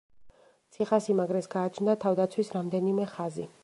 ციხესიმაგრეს გააჩნდა თავდაცვის რამდენიმე ხაზი.